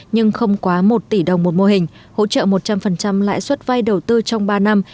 nhưng không quá một tỷ đồng một mô hình hỗ trợ một trăm linh lãi suất vai đầu tư trong ba năm